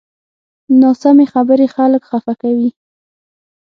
ناسمې خبرې خلک خفه کوي